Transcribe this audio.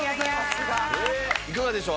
いかがでしょう？